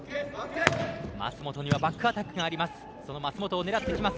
舛本にはバックアタックがあります。